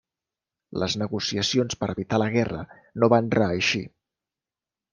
Les negociacions per evitar la guerra no van reeixir.